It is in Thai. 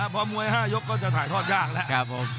พอมวย๕ยกก็จะถ่ายทอดยากแล้ว